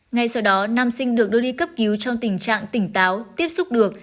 ngay sau đó nam sinh được đưa đi cấp cứu trong tình trạng tỉnh táo tiếp xúc được